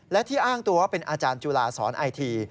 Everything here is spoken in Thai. และที่อ้างตัวว่าเป็นอาจารย์จุฬาสอนไอที